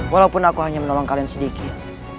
walaupun aku hanya menolong kalian sedikit